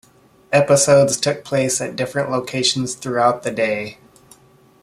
Episodes took place at different locations throughout the day.